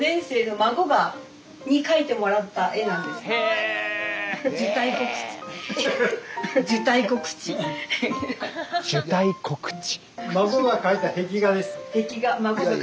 孫が描いた壁画です。